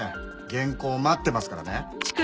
原稿待ってますからね。